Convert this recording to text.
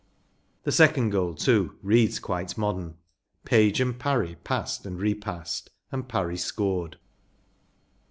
The second goal, too, reads quite modern. “ Page and Parry passed and repassed and Parry scored.